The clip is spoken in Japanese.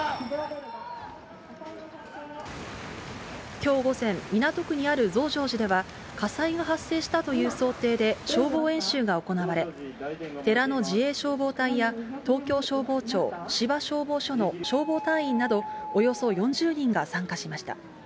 きょう午前、港区にある増上寺では、火災が発生したという想定で消防演習が行われ、寺の自衛消防隊や東京消防庁・芝消防署の消防隊員などおよそ４０人が参加しました。